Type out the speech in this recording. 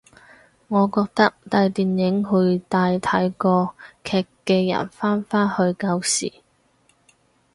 我覺得大電影會帶睇過劇嘅人返返去舊時